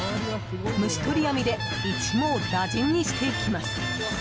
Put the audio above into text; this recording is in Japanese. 虫取り網で一網打尽にしていきます。